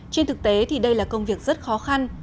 trên thực tế thì đây là công việc rất khó khăn